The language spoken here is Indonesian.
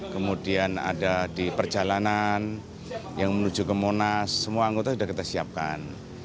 kemudian ada di perjalanan yang menuju ke monas semua anggota sudah kita siapkan